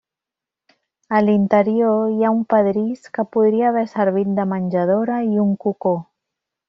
A l'interior hi ha un pedrís que podria haver servit de menjadora i un cocó.